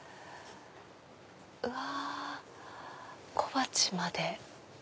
うわ小鉢まで。